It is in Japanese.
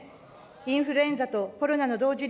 インフルエンザとコロナの同時